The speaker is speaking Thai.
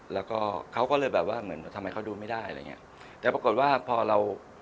แล้วก็เขาก็เลยแบบว่าเหมือนทำไมเขาดูไม่ได้อะไรอย่างเงี้ยแต่ปรากฏว่าพอเรา